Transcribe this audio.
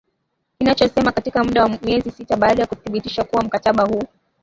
kinachosema Katika muda wa miezi sita baada ya kuthibitishwa kwa mkataba huu